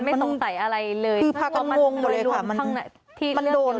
มันได้ด้วยหรืออะไรอย่างนี้